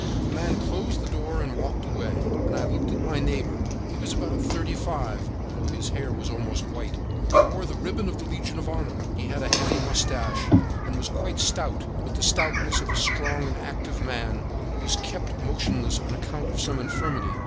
The man closed the door and walked away, and I looked at my neighbor. He was about thirty five, although his hair was almost white; he wore the ribbon of the Legion of Honor; he had a heavy mustache and was quite stout, with the stoutness of a strong and active man who is kept motionless on account of some infirmity.